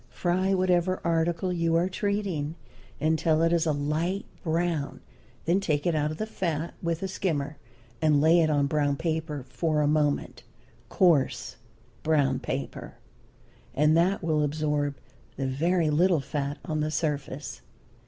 Fry whatever article you are treating until it is a light brown, then take it out of the fat with a skimmer, and lay it on brown paper for a moment coarse brown paper and that will absorb the very little fat on the surface.